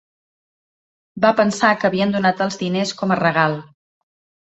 Va pensar que havien donat els diners com a regal.